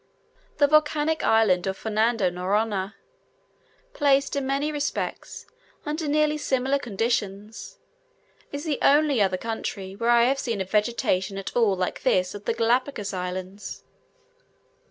The volcanic island of Fernando Noronha, placed in many respects under nearly similar conditions, is the only other country where I have seen a vegetation at all like this of the Galapagos Islands.